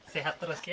sehat terus ya